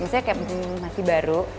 misalnya kayak hmm masih baru